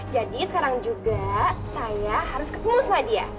jadi sekarang juga saya harus ketemu sama dia